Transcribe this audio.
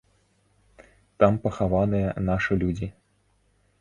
Там пахаваныя нашы людзі.